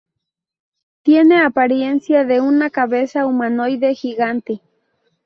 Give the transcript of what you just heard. Tiene apariencia de una cabeza humanoide gigante.